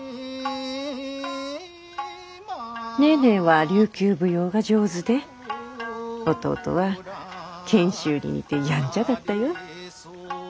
ネーネーは琉球舞踊が上手で弟は賢秀に似てやんちゃだったよ。